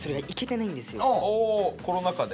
コロナ禍で？